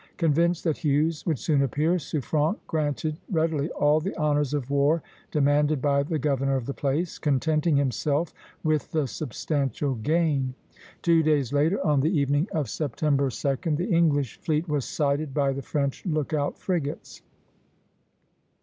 Convinced that Hughes would soon appear, Suffren granted readily all the honors of war demanded by the governor of the place, contenting himself with the substantial gain. Two days later, on the evening of September 2d, the English fleet was sighted by the French lookout frigates.